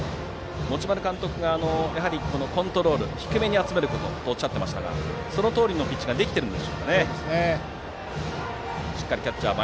持丸監督がコントロールを低めに集めることとおっしゃっていましたがそのとおりのピッチングができていますね。